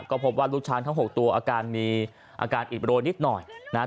ก็พบว่าลูกช้างทั้ง๖ตัวอาการมีอาการอิดโรยนิดหน่อยนะครับ